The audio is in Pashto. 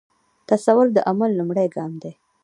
تصور د عمل لومړی ګام دی.